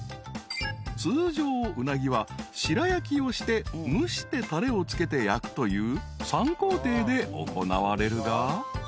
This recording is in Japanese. ［通常うなぎは白焼きをして蒸してたれをつけて焼くという３工程で行われるが］